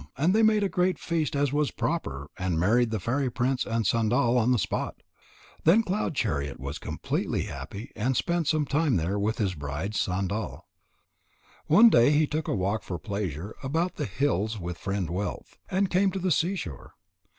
And they made a great feast as was proper, and married the fairy prince and Sandal on the spot. Then Cloud chariot was completely happy and spent some time there with his bride Sandal. One day he took a walk for pleasure about the hills with Friend wealth, and came to the seashore.